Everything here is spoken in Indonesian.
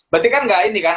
berarti kan nggak ini kan